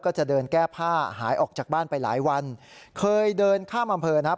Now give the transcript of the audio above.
จะเดินแก้ผ้าหายออกจากบ้านไปหลายวันเคยเดินข้ามอำเภอนะครับ